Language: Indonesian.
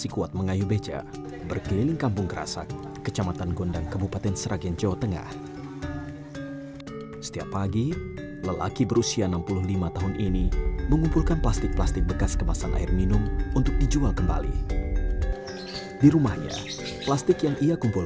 kedulian dan empati sadio cittowiono